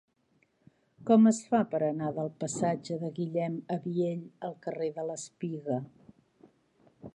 Com es fa per anar del passatge de Guillem Abiell al carrer de l'Espiga?